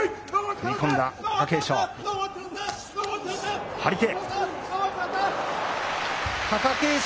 踏み込んだ、貴景勝。